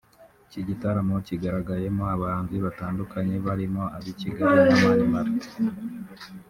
Iki gitaramo cyigaragayemo abahanzi batandukanye barimo ab’i Kigali nka Mani Martin